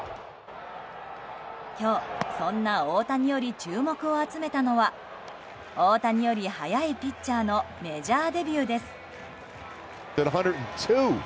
今日、そんな大谷より注目を集めたのは大谷より速いピッチャーのメジャーデビューです。